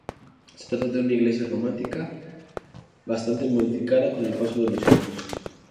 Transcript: Se trata de una iglesia románica bastante modificada con el paso de los años.